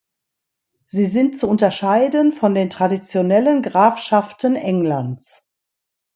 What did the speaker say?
Sie sind zu unterscheiden von den traditionellen Grafschaften Englands.